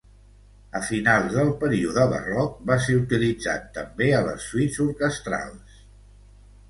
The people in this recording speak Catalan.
A finals del període barroc va ser utilitzat també a les suites orquestrals.